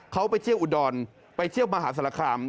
เขาไปเที่ยวอุดรไปเที่ยวมหาศาลคาม